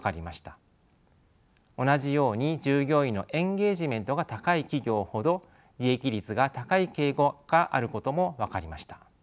同じように従業員のエンゲージメントが高い企業ほど利益率が高い傾向があることも分かりました。